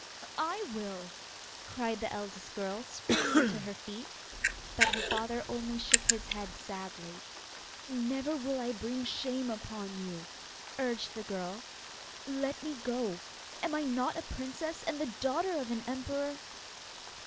'I will,' cried the eldest girl, springing to her feet. But her father only shook his head sadly. 'Never will I bring shame upon you,' urged the girl. 'Let me go. Am I not a princess, and the daughter of an emperor?